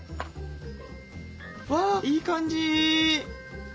わあいい感じ！